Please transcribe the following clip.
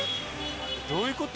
どういうこと？